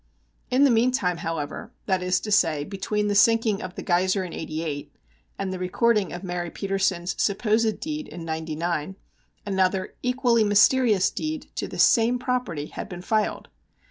In the meantime, however, that is to say, between the sinking of the Geiser in '88 and the recording of Mary Petersen's supposed deed in '99, another equally mysterious deed to the same property had been filed.